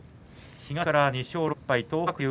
東から２勝６敗の東白龍。